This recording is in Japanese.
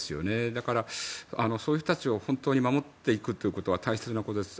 だから、そういう人たちを本当に守っていくことは大切なことです。